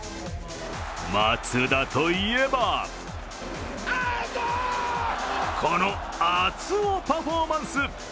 松田といえばこの熱男パフォーマンス。